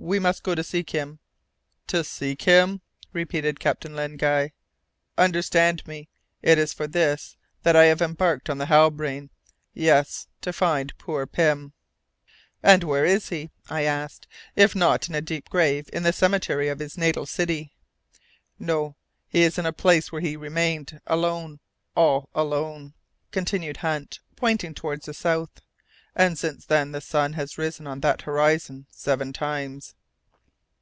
We must go to seek him." "To seek him?" repeated Captain Len Guy. "Understand me; it is for this that I have embarked on the Halbrane yes, to find poor Pym!" "And where is he," I asked, "if not deep in a grave, in the cemetery of his natal city?" "No, he is in the place where he remained, alone, all alone," continued Hunt, pointing towards the south; "and since then the sun has risen on that horizon seven times."